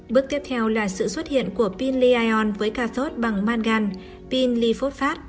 bước tiếp theo là sự xuất hiện của pin li ion với cathode bằng mangan pin li phosphate